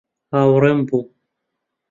هاوڕێم بوو.